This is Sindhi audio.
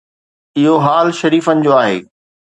اهو حال شريفن جو آهي.